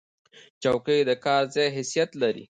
چوکۍ د کار ځای حیثیت لري.